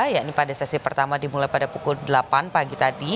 yakni pada sesi pertama dimulai pada pukul delapan pagi tadi